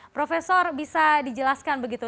prof bisa dijelaskan begitu